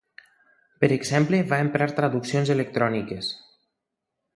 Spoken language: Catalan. Per exemple va emprar traduccions electròniques.